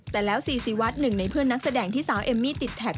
แต่แล้วซีซีวัดหนึ่งในเพื่อนนักแสดงที่สาวเอมมี่ติดแท็ก